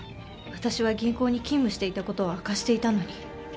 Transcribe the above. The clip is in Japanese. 私は銀行に勤務していたことを明かしていたのに。